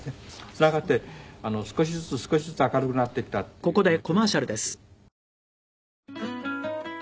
つながって少しずつ少しずつ明るくなっていったっていう気持ちを持ってます。